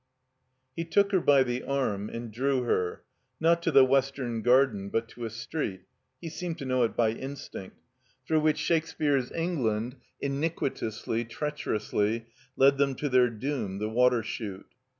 He took her by the arm and drew her, not to the Western Garden, but to a street (he seemed to know it by instinct) through which Shakespeare's Eng land, iniquitously, treacherously, led them to their doom, the Water Chute.